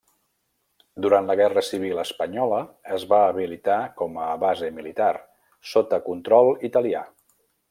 Durant la Guerra Civil Espanyola es va habilitar com a base militar sota control italià.